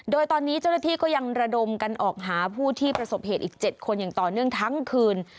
โดยตอนนี้เจ้าหน้าที่ก็ยังระดมกันออกหาผู้ที่ประสบเหตุอีก๗คนอย่างต่อเนื่องทั้งคืน